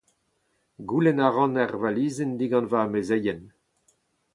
Goulenn a ran ur valizenn digant ma amezeien.